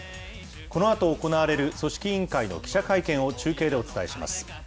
このあと行われる組織委員会の記者会見を中継でお伝えします。